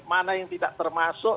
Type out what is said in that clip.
mana yang tidak termasuk